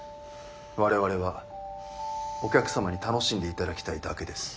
我々はお客様に楽しんで頂きたいだけです。